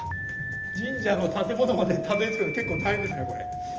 神社の建物までたどりつくのは結構大変ですね。